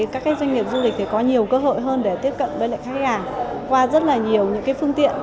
các doanh nghiệp du lịch có nhiều cơ hội hơn để tiếp cận với lại khách hàng qua rất là nhiều những phương tiện